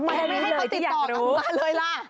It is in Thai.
ทำไมไม่ให้เขาติดต่อกันมาเลยล่ะ